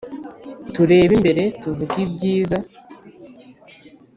Turebe imbere tuvuge byiza